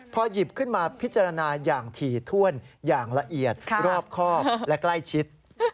พอหยิบขึ้นมาพิจารณาอย่างถี่ถ้วนอย่างละเอียดรอบครอบและใกล้ชิด